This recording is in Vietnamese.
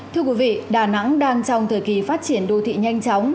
thưa quý vị đà nẵng đang trong thời kỳ phát triển đô thị nhanh chóng